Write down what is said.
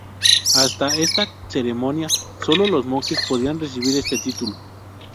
Hasta esta ceremonia solo los monjes podían recibir este título.